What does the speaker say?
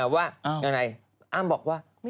ว่าอ้ำบอกว่า